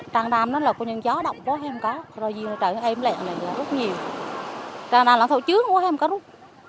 tràng đàm đó là có những gió động có hay không có rồi dưới trời em lẹn là rút nhiều tràng đàm là thậu trướng có hay không có rút